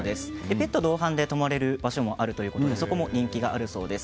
ペット同伴で泊まれるお部屋もあるということで人気があるそうです。